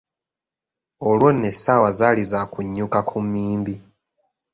Olwo nno essaawa zaali za kunyuka ku mmimbi.